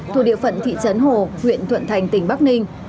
thuộc địa phận thị trấn hồ huyện thuận thành tỉnh bắc ninh